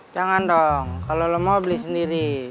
jangan dong kalau lo mau beli sendiri